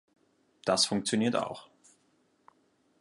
Das funktioniert auch.